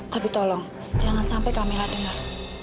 tapi tolong jangan sampai kami dengar